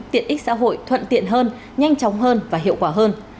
tiện ích xã hội thuận tiện hơn nhanh chóng hơn và hiệu quả hơn